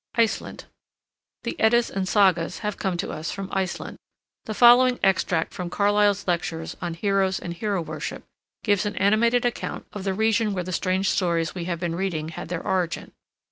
ICELAND The Eddas and Sagas have come to us from Iceland. The following extract from Carlyle's lectures on "Heroes and Hero Worship" gives an animated account of the region where the strange stories we have been reading had their origin.